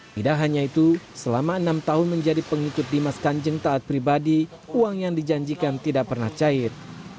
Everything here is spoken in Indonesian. tidak hanya itu selama enam tahun menjadi pengikut dimas kanjeng taat pribadi uang yang dijanjikan tidak pernah cair